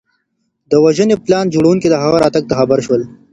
د وژنې پلان جوړونکي د هغه راتګ ته خبر شول.